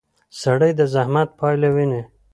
سړی د زحمت پایله ویني